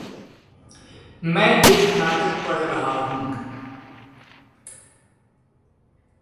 मैं एक नाटक पढ़ रहा हूँ।